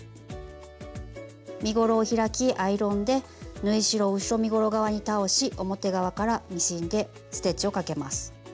身ごろを開きアイロンで縫い代を後ろ身ごろ側に倒し表側からミシンでステッチをかけます。